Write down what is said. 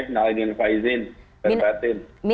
nalai din faizin lair batin